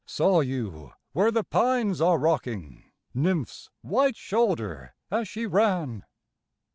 Saw you where the pines are rocking Nymph's white shoulder as she ran?